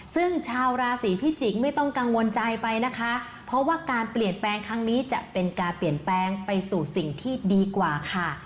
ซึ่งชาวราศีพิจิกษ์ไม่ต้องกังวลใจไปนะคะเพราะว่าการเปลี่ยนแปลงครั้งนี้จะเป็นการเปลี่ยนแปลงไปสู่สิ่งที่ดีกว่าค่ะ